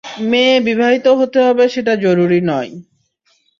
মেয়ে বিবাহিত হতে হবে সেটা জরুরি নয়।